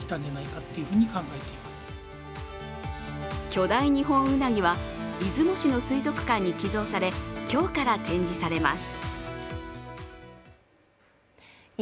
巨大ニホンウナギは出雲市の水族館に寄贈され、今日から展示されます。